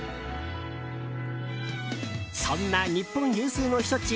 そんな日本有数の避暑地